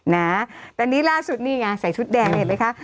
นะแต่นี่ล่าสุดนี่ไงใส่ชุดแดงเห็นไหมคะ